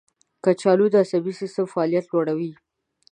کچالو د عصبي سیستم فعالیت لوړوي.